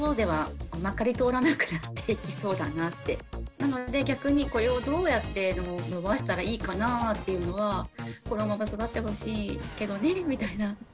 なので逆にこれをどうやって伸ばしたらいいかなぁっていうのはこのまま育ってほしいけどねみたいな。